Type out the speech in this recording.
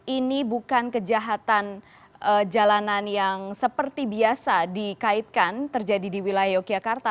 ini bukan kejahatan jalanan yang seperti biasa dikaitkan terjadi di wilayah yogyakarta